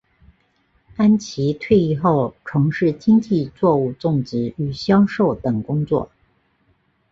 安琦退役后从事经济作物种植与销售等工作。